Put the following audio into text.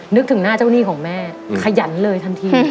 นึกถึงหน้าเจ้าหนี้ของแม่ขยันเลยทันที